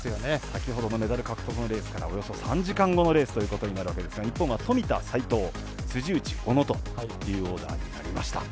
先ほどのメダル獲得のレースからおよそ３時間後のレースということになるわけですが日本は富田、齋藤、辻内、小野というオーダーになりました。